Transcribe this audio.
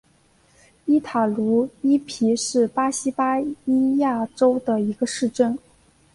伊塔茹伊皮是巴西巴伊亚州的一个市镇。